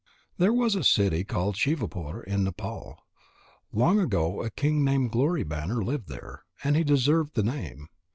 There was a city called Shivapur in Nepal. Long ago a king named Glory banner lived there, and he deserved the name.